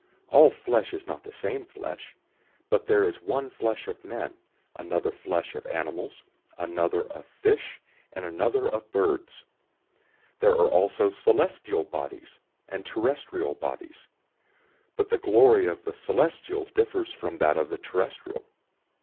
015:039 All flesh is not the same flesh, but there is one flesh of men, another flesh of animals, another of fish, and another of birds. 015:040 There are also celestial bodies, and terrestrial bodies; but the glory of the celestial differs from that of the terrestrial.